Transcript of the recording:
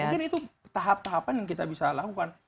mungkin itu tahap tahapan yang kita bisa lakukan